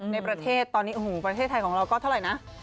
ในประเทศตอนนี้โอ้โหประเทศไทยของเราก็เท่าไหร่นะ